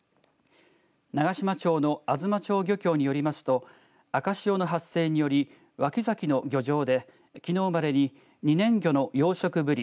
長島町の東町漁協によりますと赤潮の発生により脇崎の漁場できのうまでに２年魚の養殖ブリ